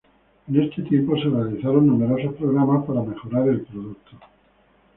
En este tiempo se realizaron numerosos programas para mejorar el producto.